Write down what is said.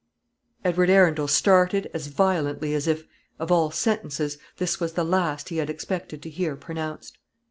Edward Arundel started as violently as if, of all sentences, this was the last he had expected to hear pronounced.